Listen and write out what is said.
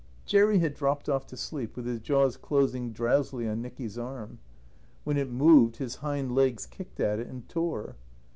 Jerry had dropped off to sleep with his jaws closing drowsily on Nicky's arm. When it moved his hind legs kicked at it and tore.